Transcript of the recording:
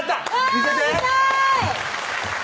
見たい！